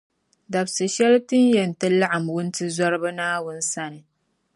Dabsi’ shεli Ti ni yɛn ti laɣim wuntizɔriba Naawuni sani.